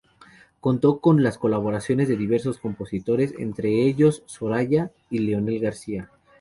Contó con las colaboraciones de diversos compositores, entre ellos Soraya y Leonel García.